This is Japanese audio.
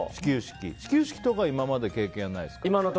始球式とかは今までないですか？